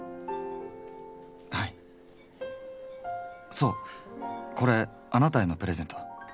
そうこれあなたへのプレゼント。